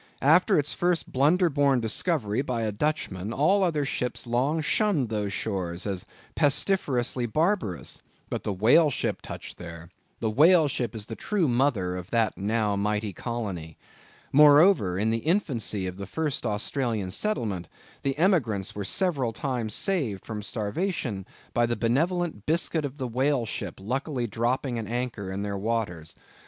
After its first blunder born discovery by a Dutchman, all other ships long shunned those shores as pestiferously barbarous; but the whale ship touched there. The whale ship is the true mother of that now mighty colony. Moreover, in the infancy of the first Australian settlement, the emigrants were several times saved from starvation by the benevolent biscuit of the whale ship luckily dropping an anchor in their waters.